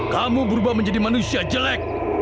kamu akan menjadi manusia yang jelek